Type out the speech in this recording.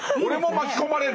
巻き込まれる。